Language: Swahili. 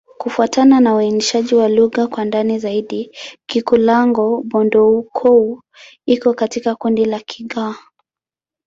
Kufuatana na uainishaji wa lugha kwa ndani zaidi, Kikulango-Bondoukou iko katika kundi la Kigur.